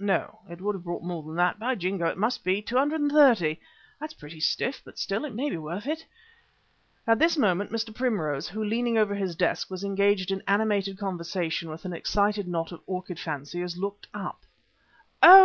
No, it would have brought more than that. By Jingo! it must be £230. That's pretty stiff, but still, it may be worth it." At this moment Mr. Primrose, who, leaning over his desk, was engaged in animated conversation with an excited knot of orchid fanciers, looked up: "Oh!